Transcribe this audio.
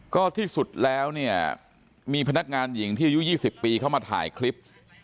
ก็ที่สุดแล้วเนี่ยมีพนักงานหญิงที่อายุ๒๐ปีเข้ามาถ่ายคลิป